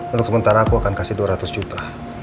untuk sementara aku akan kasih dua ratus juta